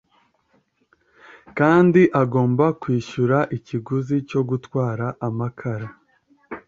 kandi agomba kwishyura ikiguzi cyo gutwara amakara